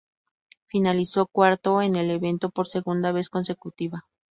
Finalizó cuarto en el evento por segunda vez consecutiva.